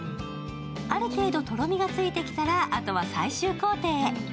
ある程度とろみがついてきたらあとは最終行程へ。